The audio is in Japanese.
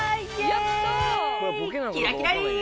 キラキラリン。